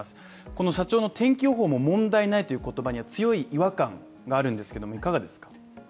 この社長の天気予報も問題ないという言葉は強い違和感があるんですが、いかがですか。